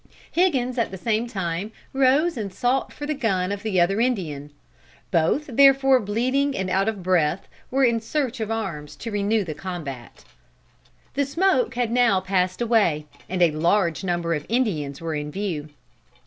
Higgins at the same time rose and sought for the gun of the other Indian. Both, therefore, bleeding and out of breath, were in search of arms to renew the combat. "The smoke had now passed away, and a large number of Indians were in view.